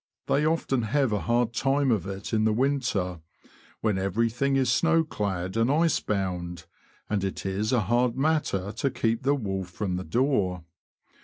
they often have a hard time of it in the winter, when everything is snowclad and ice bound, and it is a hard matter to keep the wolf from the door.